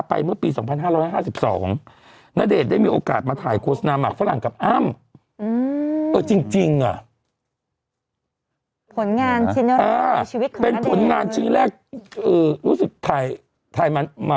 ผมถามคุณไม่ได้